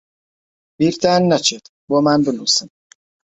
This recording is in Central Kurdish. بیرتان نەچێت بۆمان بنووسن.